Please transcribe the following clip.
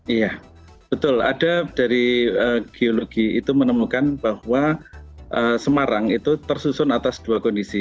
iya betul ada dari geologi itu menemukan bahwa semarang itu tersusun atas dua kondisi